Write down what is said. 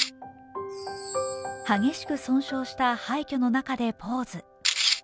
激しく損傷した廃虚の中でポーズ。